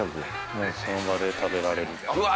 もうその場で食べられるうわ